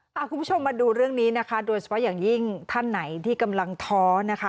คุณผู้ชมมาดูเรื่องนี้นะคะโดยเฉพาะอย่างยิ่งท่านไหนที่กำลังท้อนะคะ